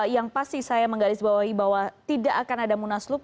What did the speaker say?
yang pasti saya menggarisbawahi bahwa tidak akan ada munaslup